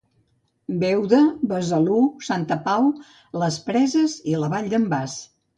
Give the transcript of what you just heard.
Beuda, Besalú, Santa Pau, les Preses i la Vall d'en Bas.